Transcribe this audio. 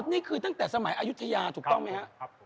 นี่คือตั้งแต่สมัยอายุทยาถูกต้องไหมครับ